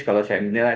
kalau saya menilai